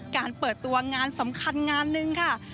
การเปิดตัวงานสำคัญงานหนึ่งค่ะ